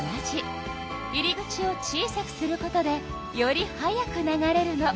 入り口を小さくすることでより速く流れるの。